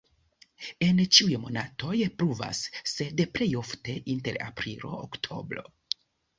En ĉiuj monatoj pluvas, sed plej ofte inter aprilo-oktobro.